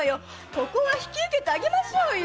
ここは引き受けてあげましょうよ。